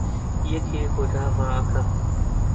یەکێ بۆ دار ڕائەکا